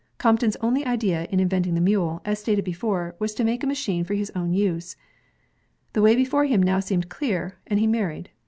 Crompton's only idea in inventing the mule, as stated before, was to make a machine for his own use. The way before him now seemed clear, and he married.